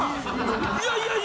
いやいやいや！